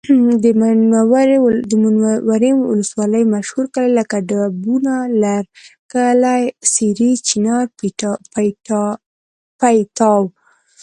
د منورې ولسوالۍ مشهور کلي لکه ډوبونه، لرکلی، سېرۍ، چینار، پیتاو